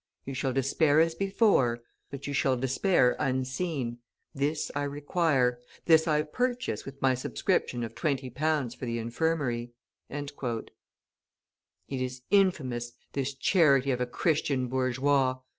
You shall despair as before, but you shall despair unseen, this I require, this I purchase with my subscription of twenty pounds for the infirmary!" It is infamous, this charity of a Christian bourgeois!